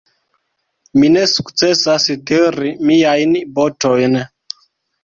Mi ne sukcesas tiri miajn botojn.